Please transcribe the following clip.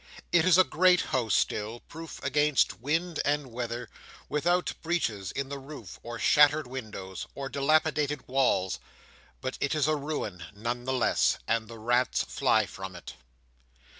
It is a great house still, proof against wind and weather, without breaches in the roof, or shattered windows, or dilapidated walls; but it is a ruin none the less, and the rats fly from it.